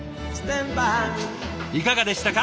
いかがでしたか？